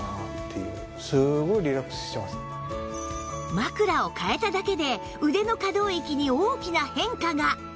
枕を替えただけで腕の可動域に大きな変化が